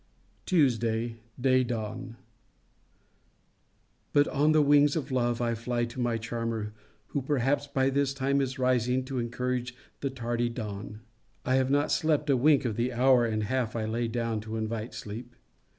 TUESDAY, DAY DAWN. But, on the wings of love, I fly to my charmer, who perhaps by this time is rising to encourage the tardy dawn. I have not slept a wink of the hour and half I lay down to invite sleep.